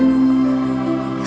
ibu tidak bohong